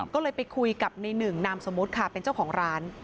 ก็เลยไปคุยกับในหนึ่งนามสมมุติค่ะเป็นเจ้าของร้าน